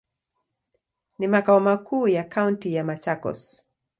Ni makao makuu ya kaunti ya Machakos.